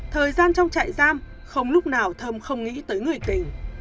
thời gian trong trại giam không lúc nào thâm không nghĩ tới người tình